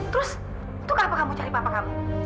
terus tuh kenapa kamu cari papa kamu